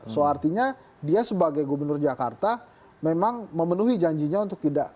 so artinya dia sebagai gubernur jakarta memang memenuhi janjinya untuk tidak